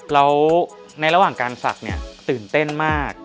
แล้วในระหว่างการศักดิ์ตื่นเต้นมาก